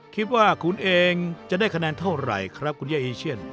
คิดว่าคุณเองจะได้คะแนนเท่าไหร่ครับคุณย่าอีเชียน